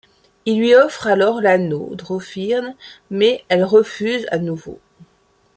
Il lui offre alors l'anneau Draupnir mais elle refuse à nouveau.